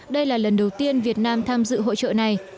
đây là lần đầu tiên việt nam tham dự hội trợ này